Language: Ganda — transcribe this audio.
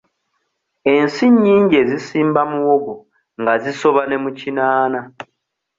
Ensi nnyingi ezisimba muwogo nga zisoba ne mu ekinaana.